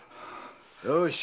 よし。